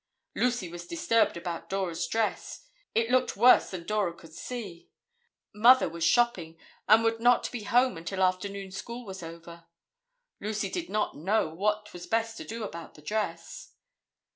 Lucy was disturbed about Dora's dress. It looked worse than Dora could see. Mother was shopping and would not be at home until afternoon school was over. Lucy did not know what was best to do about the dress.